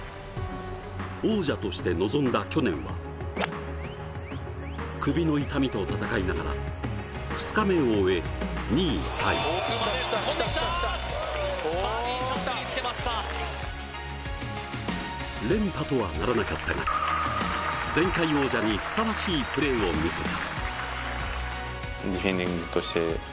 王者として臨んだ去年は、首の痛みと闘いながら２日目を終え、２位タイ。連覇とはならなかったが前回王者にふさわしいプレーを見せた。